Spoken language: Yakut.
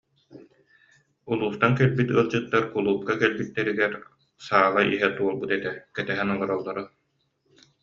Улуустан кэлбит ыалдьыттар кулуупка кэлбиттэригэр саала иһэ туолбут этэ, кэтэһэн олороллоро